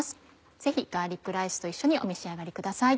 ぜひガーリックライスと一緒にお召し上がりください。